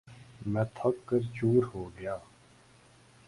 میں تھک کر چُور ہوگیا